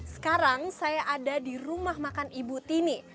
sekarang saya ada di rumah makan ibu tini